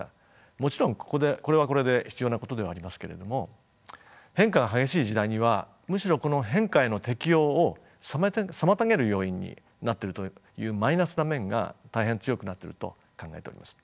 もちろんこれはこれで必要なことではありますけれども変化が激しい時代にはむしろこの変化への適応を妨げる要因になっているというマイナスな面が大変強くなっていると考えております。